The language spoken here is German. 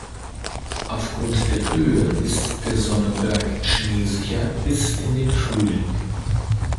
Auf Grund der Höhe ist der Sonnenberg schneesicher bis in den Frühling.